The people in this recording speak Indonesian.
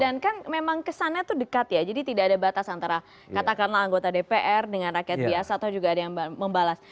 dan kan memang kesannya tuh dekat ya jadi tidak ada batas antara katakanlah anggota dpr dengan rakyat biasa atau juga ada yang membalas